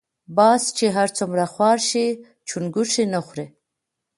باز چی هر څومره خوار شی چونګښی نه خوري .